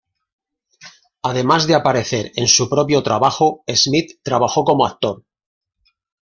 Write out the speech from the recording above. Además de aparecer en su propio trabajo, Smith trabajó como actor.